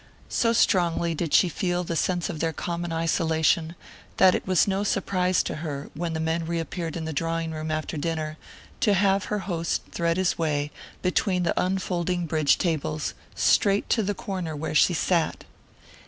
So strongly did she feel the sense of their common isolation that it was no surprise to her, when the men reappeared in the drawing room after dinner, to have her host thread his way, between the unfolding bridge tables, straight to the corner where she sat.